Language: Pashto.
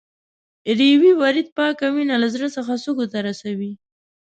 ریوي ورید پاکه وینه له سږو څخه زړه ته رسوي.